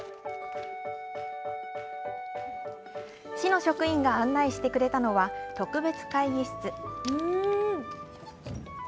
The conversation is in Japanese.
市の職員が案内してくれたのは、特別会議室。